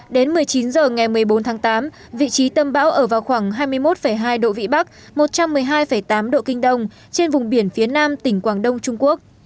đến một mươi chín h ngày một mươi bốn tháng tám vị trí tâm bão ở vào khoảng hai mươi một hai độ vĩ bắc một trăm một mươi hai tám độ kinh đông trên vùng biển phía nam tỉnh quảng đông trung quốc